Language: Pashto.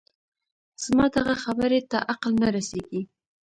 زما دغه خبرې ته عقل نه رسېږي